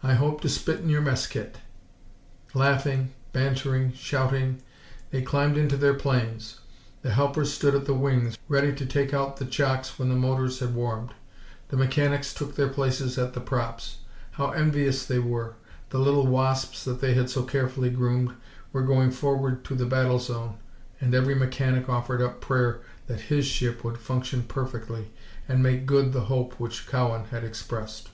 "I hope to spit in your mess kit." Laughing, bantering, shouting, they climbed into their planes. The helpers stood at the wings, ready to take out the chocks when the motors had warmed; the mechanics took their places at the props. How envious they were! The little wasps that they had so carefully groomed were going forward to the battle zone, and every mechanic offered up prayer that his ship would function perfectly and make good the hope which Cowan had expressed.